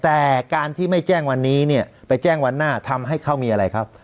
แต่การที่ไม่แจ้งวันนี้เนี่ยไปแจ้งวันหน้าทำให้เขามีอะไรครับ